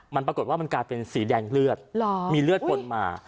มันปรากฏว่ามันกลายเป็นสีแดงเลือดมีเลือดปนมา